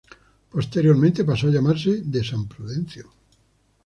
Posteriormente, pasó a llamarse de san Prudencio.